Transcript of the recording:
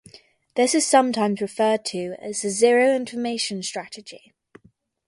This is sometimes referred to as the zero information strategy.